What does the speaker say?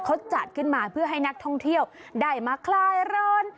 เขาจัดขึ้นมาเพื่อให้นักท่องเที่ยวได้มาคลายร้อน